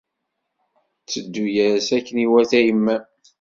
Tteddu-as akken iwata i yemma-m.